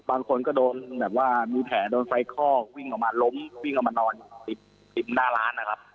บางคนก็โดนแบบว่ามีแผลโดนไฟคอกวิ่งออกมาล้มวิ่งออกมานอนติดหน้าร้านนะครับ